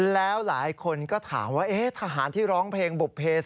แล้วหลายคนก็ถามว่าทหารที่ร้องเพลงบุภเพศ